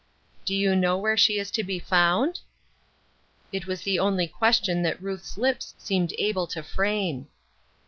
" Do you know where she is to be found ?" It was the only question that Ruth's lips seemed able to frame.